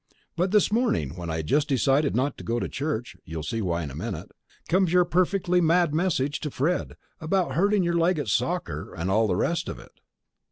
But this morning, when I had just decided not to go to church (you'll see why in a minute) comes your perfectly mad message to Fred, about hurting your leg at soccer and all the rest of it.